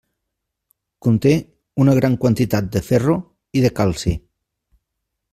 Conté una gran quantitat de ferro i de calci.